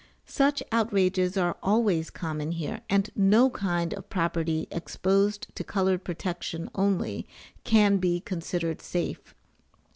Such outrages are always common here, and no kind of property exposed to colored protection only, can be considered safe.